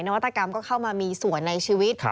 วัตกรรมก็เข้ามามีส่วนในชีวิต